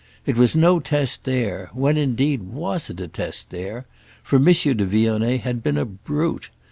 It was no test there—when indeed was it a test there?—for Monsieur de Vionnet had been a brute.